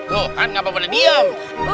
loh kan nggak boleh diam